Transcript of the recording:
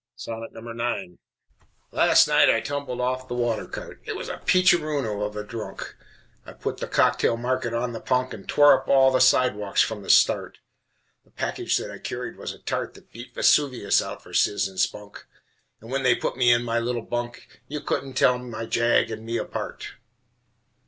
IX Last night I tumbled off the water cart It was a peacherino of a drunk; I put the cocktail market on the punk And tore up all the sidewalks from the start. The package that I carried was a tart That beat Vesuvius out for sizz and spunk, And when they put me in my little bunk You couldn't tell my jag and me apart.